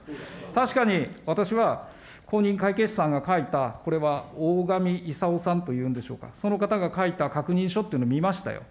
確かに、私は公認会計士さんが書いた、これはおおがみいさおさんというんでしょうか、その方が書いた確認書っていうのを見ましたよ。